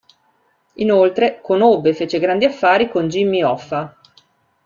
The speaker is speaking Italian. Inoltre, conobbe e fece grandi affari con Jimmy Hoffa.